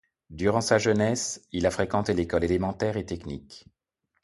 Durant sa jeunesse, il a fréquenté l'école élémentaire et technique.